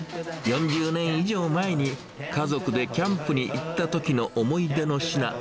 ４０年以上前に、家族でキャンプに行ったときの思い出の品。